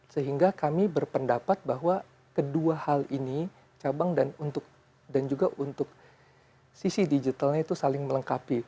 sehingga kami berpendapat bahwa kedua hal ini cabang dan juga untuk sisi digitalnya itu saling melengkapi